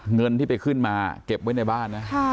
เงินที่ไปขึ้นมาเก็บไว้ในบ้านนะ